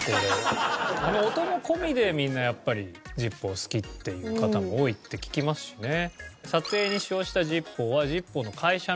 あの音も込みでみんなやっぱりＺＩＰＰＯ好きっていう方も多いって聞きますしね。